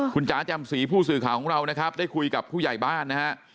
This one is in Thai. คุณจ๋าจำศรีผู้สื่อข่าวของเรานะครับได้คุยกับผู้ใหญ่บ้านนะฮะ